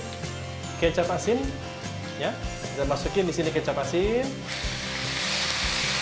di k echoes in ya dah masukin di sini kecap asin grow